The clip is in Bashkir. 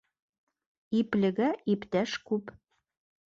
Иплегә иптәш күп.